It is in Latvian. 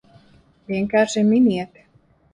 Vienkārši miniet!